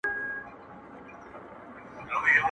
وركه يې كړه.